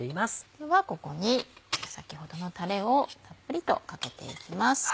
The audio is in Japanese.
ではここに先ほどのタレをたっぷりとかけていきます。